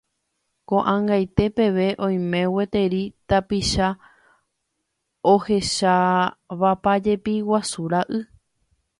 Ko'ag̃aite peve oime gueteri tapicha ohechávajepi guasu ra'y.